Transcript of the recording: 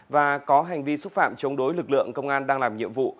và có hành vi xúc phạm chống đối lực lượng công an đang làm nhiệm vụ